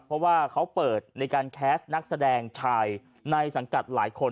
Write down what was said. เพราะว่าเขาเปิดในการแคสต์นักแสดงชายในสังกัดหลายคน